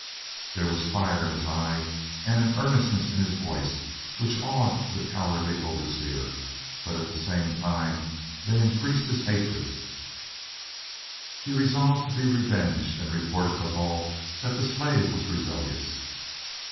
There was fire in his eye and an earnestness in his voice, which awed the cowardly overseer; but at the same time they increased his hatred. He resolved to be revenged, and reported to Hull that the slave was rebellious.